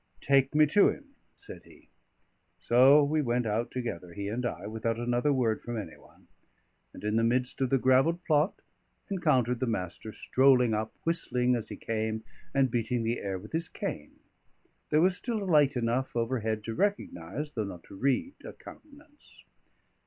"Take me to him," said he. So we went out together, he and I, without another word from any one; and in the midst of the gravelled plot encountered the Master strolling up, whistling as he came, and beating the air with his cane. There was still light enough overhead to recognise, though not to read, a countenance.